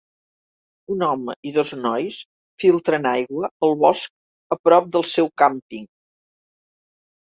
Un home i dos nois filtren aigua al bosc a prop del seu càmping.